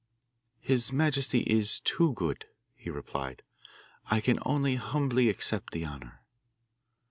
'His majesty is too good,' he replied. 'I can only humbly accept the honour.